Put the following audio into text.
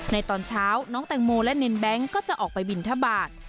ตอนเช้าน้องแตงโมและเนนแบงค์ก็จะออกไปบินทบาท